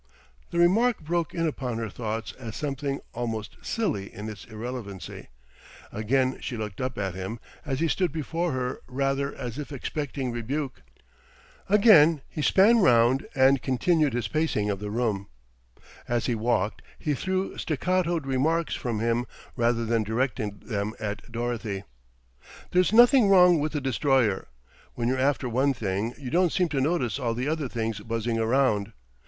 The remark broke in upon her thoughts as something almost silly in its irrelevancy. Again she looked up at him as he stood before her rather as if expecting rebuke. Again he span round and continued his pacing of the room. As he walked he threw staccatoed remarks from him rather than directed them at Dorothy. "There's nothing wrong with the Destroyer. When you're after one thing you don't seem to notice all the other things buzzing around.